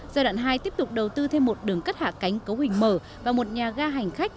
giai đoạn hai tiếp tục đầu tư thêm một đường cất hạ cánh cấu hình mở và một nhà ga hành khách